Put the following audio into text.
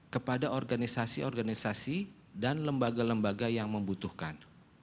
kepada organisasi organisasi dan lembaga lembaga yang membutuhkan